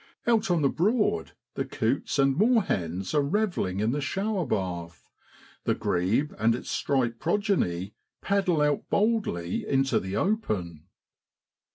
Out on the Broad the coots and moorhens are revelling in the shower bath ; the grebe and its striped progeny paddle out boldly into the open.